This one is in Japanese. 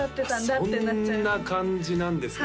あっそんな感じなんですね